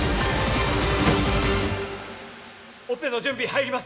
オペの準備入ります